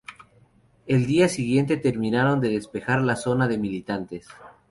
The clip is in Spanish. El día siguiente terminaron de despejar la zona de militantes.